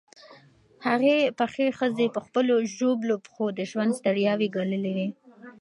هغې پخې ښځې په خپلو ژوبلو پښو د ژوند ستړیاوې ګاللې وې.